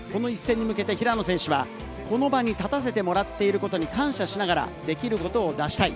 平野選手は、この場に立たせてもらっていることに感謝しながら、できることを出したい。